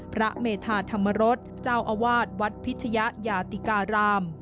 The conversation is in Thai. พระเมธาธรรมรสเจ้าอาวาสวัดพิชยะยาติการาม